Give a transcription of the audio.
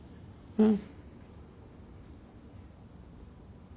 うん。